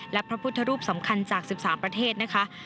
และพระพุทธรูปสำคัญจาก๑๓ประเทศนะคะ